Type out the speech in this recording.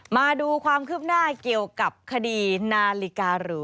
มาดูความคืบหน้าเกี่ยวกับคดีนาฬิการู